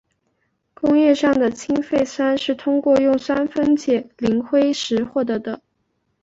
工业上的氢氟酸是通过用酸分解磷灰石获得的。